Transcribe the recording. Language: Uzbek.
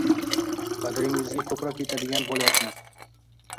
qadringizga ko'proq yetadigan bo'layapman